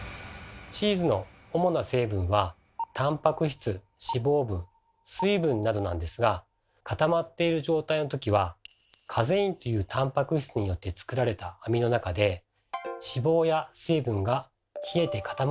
チーズの主な成分はたんぱく質脂肪分水分などなんですが固まっている状態のときはカゼインというたんぱく質によって作られた網の中で脂肪や水分が冷えて固まっているんです。